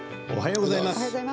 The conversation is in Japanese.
おはようございます。